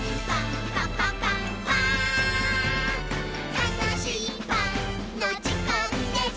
「たのしいパンのじかんです！」